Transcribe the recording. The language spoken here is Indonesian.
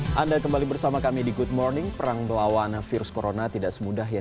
anda kembali bersama kami di good morning perang melawan virus corona tidak semudah ya